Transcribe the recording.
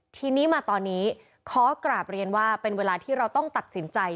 ทีนี้มาตอนนี้ขอกราบเรียนว่าเป็นเวลาที่เราต้องตัดสินใจ